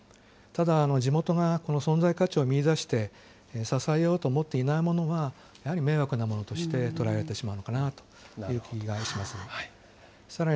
ただ、地元がこの存在価値を見いだして、支えようと思っていないものは、やはり迷惑なものとして捉えられてしまうのかなという気がします。